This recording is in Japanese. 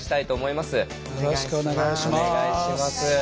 よろしくお願いします。